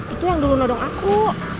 itu yang dulu nodong aku